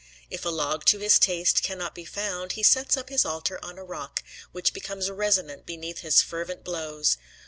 If a log to his taste cannot be found, he sets up his altar on a rock, which becomes resonant beneath his fervent blows.